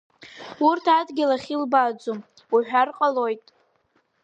Урҭ адгьыл ахь зынӡа илыбааӡом уҳәар ҟалоит.